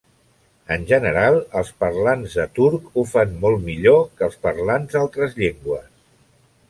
En general, els parlants de turc ho fan molt millor que els parlants d'altres llengües.